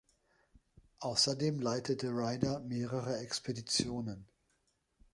Außerdem leitete Ryder mehrere Expeditionen.